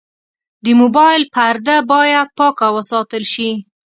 د موبایل پرده باید پاکه وساتل شي.